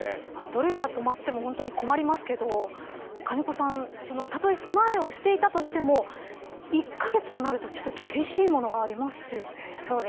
どれが止まっても本当に困りますが、金子さんたとえ備えをしていたとしても１カ月となるとちょっと厳しいものがありますよね。